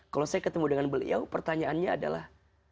kalau saya ketemu dengan beliau pertanyaannya adalah